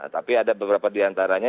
tapi ada beberapa diantaranya